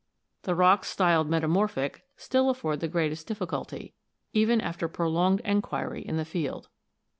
The rocks styled metamorphic still afford the greatest difficulty, even after prolonged enquiry in the field.